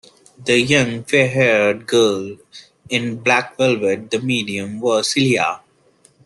The young, fair-haired girl in black velvet, the medium, was Celia.